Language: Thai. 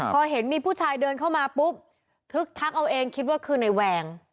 พอเห็นมีผู้ชายเดินเข้ามาปุ๊บทึกทักเอาเองคิดว่าคือในแวง